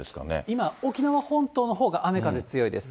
今、沖縄本島のほうが雨風強いです。